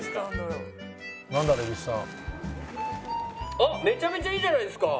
蛭子さん」あっめちゃめちゃいいじゃないですか！